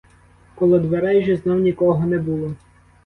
Коло дверей же знов нікого не було.